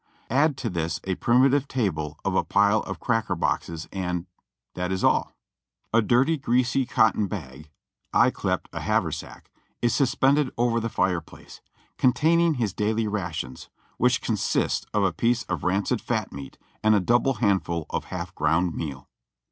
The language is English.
Add to this a primitive table of a pile of cracker boxes and — that is all. A dirty, greasy cotton bag, ycleped a haversack, is suspended over the fire place, con taining his daily rations, which consists of a piece of rancid fat meat and a double handful of half ground meal.